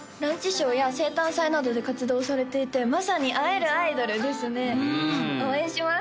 ショーや生誕祭などで活動されていてまさに会えるアイドルですね応援します！